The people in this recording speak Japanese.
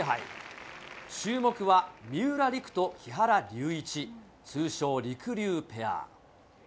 注目は三浦璃来と木原龍一、通称、りくりゅうペア。